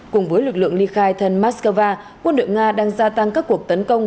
cùng với lực lượng ly khai thân mắc cơ va quân đội nga đang gia tăng các cuộc tấn công